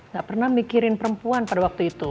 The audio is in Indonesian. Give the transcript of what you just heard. gak pernah mikirin perempuan pada waktu itu